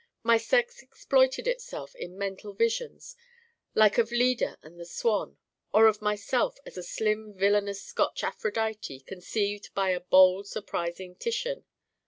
My sex exploited itself in mental visions, like of Leda and the Swan or of myself as a slim villainous Scotch Aphrodite conceived by a bold surprising Titian.